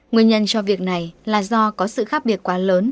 nguyên nhân cho việc này là do có sự khác biệt quá lớn